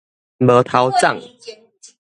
無頭摠